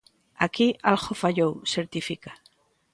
"Aquí algo fallou", certifica.